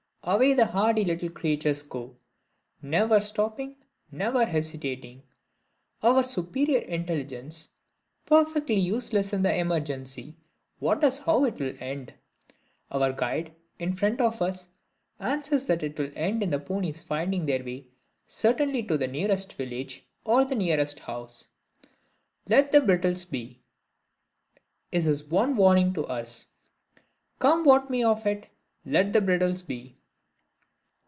away the hardy little creatures go; never stopping, never hesitating. Our "superior intelligence," perfectly useless in the emergency, wonders how it will end. Our guide, in front of us, answers that it will end in the ponies finding their way certainly to the nearest village or the nearest house. "Let the bridles be," is his one warning to us. "Come what may of it, let the bridles be!"